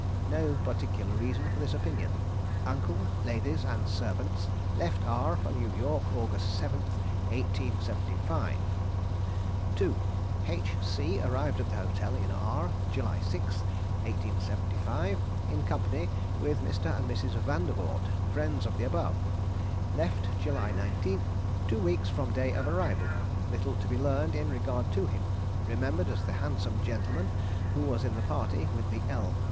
No particular reason for this opinion. Uncle, ladies, and servants left R for New York, August 7, 1875. "2. H. C. arrived at the hotel in R July 6, 1875, in company with Mr. and Mrs. Vandervort, friends of the above. Left July 19, two weeks from day of arrival. Little to be learned in regard to him. Remembered as the handsome gentleman who was in the party with the L.